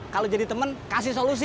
kalau jadi teman kasih solusi